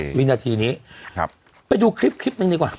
วินาทีนี้ครับไปดูคลิปคลิปหนึ่งดีกว่า